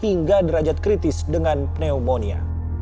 hingga derajat kritis dengan pneumonia